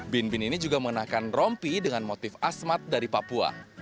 bin bin ini juga mengenakan rompi dengan motif asmat dari papua